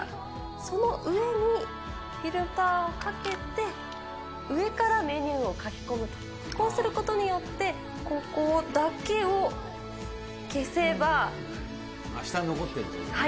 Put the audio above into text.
その上にフィルターをかけて、上からメニューを書き込む、こうすることによって、下に残ってるってことね。